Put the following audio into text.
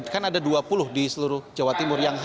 kan ada dua puluh di seluruh jawa timur yang